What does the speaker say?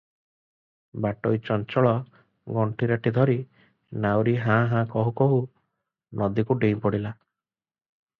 ବାଟୋଇ ଚଞ୍ଚଳ ଗଣ୍ଠିରାଟି ଧରି, ନାଉରୀ ହାଁ ହାଁ କହୁଁ କହୁଁ ନଦୀକୁ ଡେଇଁ ପଡିଲା ।